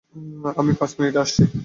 আমি পাঁচ মিনিটে আসছি।